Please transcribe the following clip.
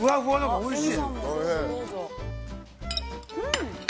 ◆おいしい。